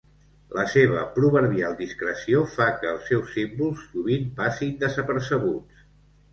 La seva proverbial discreció fa que els seus símbols sovint passin desapercebuts.